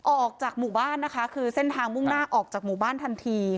ออกจากหมู่บ้านนะคะคือเส้นทางมุ่งหน้าออกจากหมู่บ้านทันที